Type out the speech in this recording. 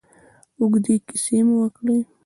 اوږدې کیسې مو وکړې.